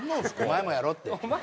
お前もやろって。